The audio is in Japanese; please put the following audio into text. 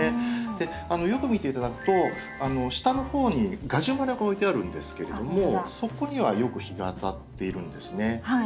よく見て頂くと下の方にガジュマルが置いてあるんですけれどもそこにはよく日が当たっているんですね。